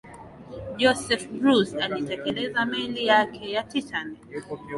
joseph bruce aliitelekeza meli yake ya titanic